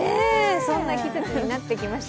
そんな季節になってきました。